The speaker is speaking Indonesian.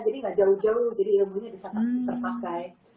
gak jauh jauh jadi ilmunya bisa terpakai